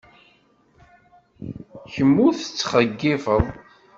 Kemm ur tettkeyyifeḍ.